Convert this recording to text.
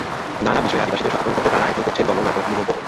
নানা বিষয়ে আদিবাসীদের সচেতন করতে তারা আয়োজন করছে গণনাটক ন্যূহ পহর।